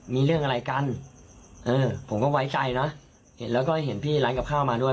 มีเรื่องอะไรกันเออผมก็ไว้ใจนะเห็นแล้วก็เห็นพี่ร้านกับข้าวมาด้วย